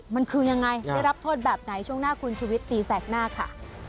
มันคือยังไงได้รับโทษแบบไหนช่วงหน้าคุณชุวิตตีแสกหน้าค่ะ